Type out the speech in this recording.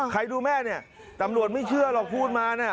ใครดูแม่เนี่ยตำรวจไม่เชื่อหรอกพูดมาเนี่ย